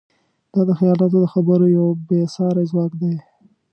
دا د خیالاتو د خبرو یو بېساری ځواک دی.